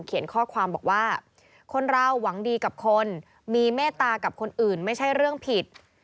เขียนข้อความบอกว่าคนเราหวังดีกับคนมีเมตตากับคนอื่นไม่ใช่เรื่องผิด